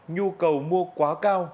nhu cầu mua quá cao